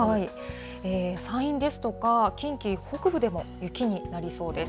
山陰ですとか、近畿北部でも雪になりそうです。